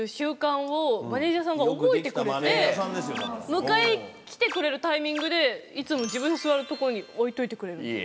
迎え来てくれるタイミングでいつも自分の座る所に置いといてくれるんです。